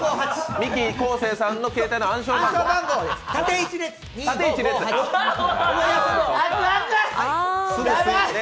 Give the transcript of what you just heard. ミキ・昴生さんの携帯の暗証番号ですね。